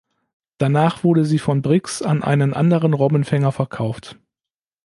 Danach wurde sie von Briggs an einen anderen Robbenfänger verkauft.